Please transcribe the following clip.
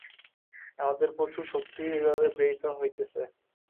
আমাদের প্রচুর শক্তি এইভাবেই ব্যয়িত হইতেছে।